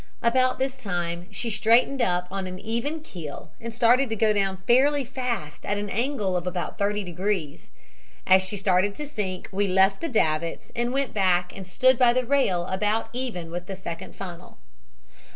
About this time she straightened up on an even keel and started to go down fairly fast at an angle of about 30 degrees. As she started to sink we left the davits and went back and stood by the rail about even with the second funnel.